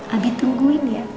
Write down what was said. abi tungguin ya